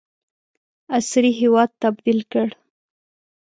عصري هیواد تبدیل کړ.